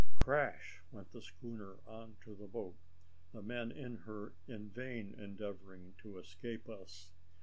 Crash went the schooner on to the boat, the men in her in vain endeavouring to escape us.